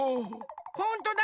ほんとだ！